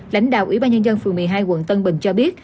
lãnh đạo ủy ban nhân dân phường một mươi hai quận tân bình cho biết